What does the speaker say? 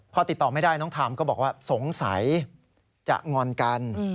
พอติดต่อไม่ได้น้องทามก็บอกว่าสงสัยจะงอนกัน